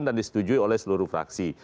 dan disetujui oleh seluruh fraksi